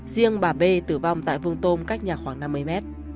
riêng bà b tử vong tại vùng tôm cách nhà khoảng năm mươi m